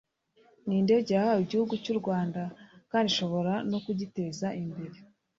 ni indege yahawe igihugu cy u rwanda kandi ishobora no kugiteza imbere